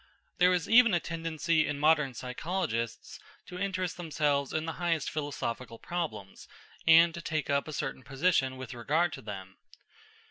There is even a tendency in modern psychologists to interest themselves in the highest philosophical problems, and to take up a certain position with regard to them.